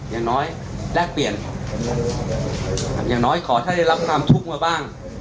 อย่างน้อยแลกเปลี่ยนอย่างน้อยขอถ้าได้รับความทุกข์มาบ้าง